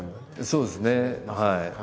そうですねはい。